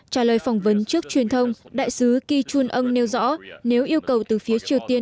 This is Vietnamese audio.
trả lời phỏng vấn trước truyền thông đại sứ ki chun ang nêu rõ nếu yêu cầu từ phía triều tiên